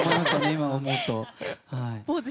今思うと。